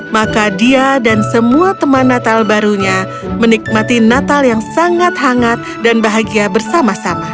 maka dia dan semua teman natal barunya menikmati natal yang sangat hangat dan bahagia bersama sama